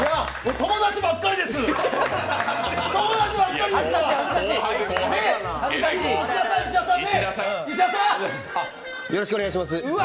友達ばっかりですわ。